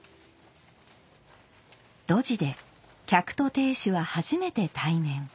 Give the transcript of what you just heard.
露地で客と亭主は初めて対面。